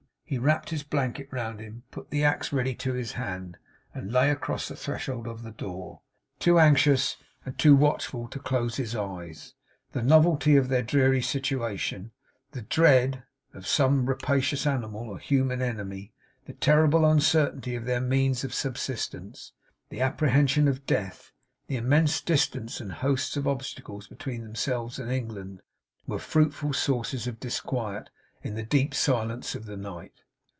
He wrapped his blanket round him, put the axe ready to his hand, and lay across the threshold of the door; too anxious and too watchful to close his eyes. The novelty of their dreary situation, the dread of some rapacious animal or human enemy, the terrible uncertainty of their means of subsistence, the apprehension of death, the immense distance and the hosts of obstacles between themselves and England, were fruitful sources of disquiet in the deep silence of the night.